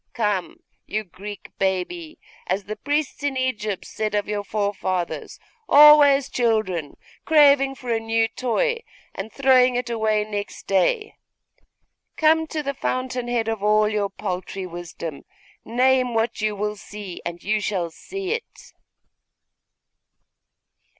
Come, you Greek baby as the priests in Egypt said of your forefathers, always children, craving for a new toy, and throwing it away next day come to the fountainhead of all your paltry wisdom! Name what you will see, and you shall see it!